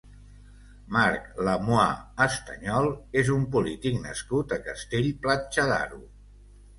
Marc Lamuà Estañol és un polític nascut a Castell-Platja d'Aro.